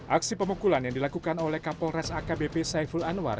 aksi pemukulan yang dilakukan oleh kapolres akbp saiful anwar